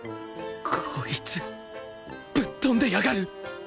こいつぶっ飛んでやがる！